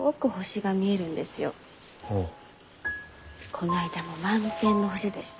こないだも満天の星でした。